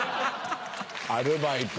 アルバイト。